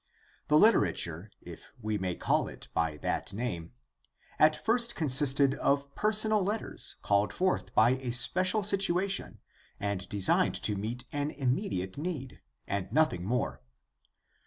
The literature, if we may call it by that name, at first consisted of personal letters called forth by a special situation and designed to meet an immediate need, and nothing more.